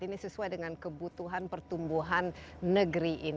ini sesuai dengan kebutuhan pertumbuhan negeri ini